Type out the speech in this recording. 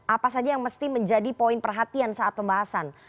apa saja yang mesti menjadi poin perhatian saat pembahasan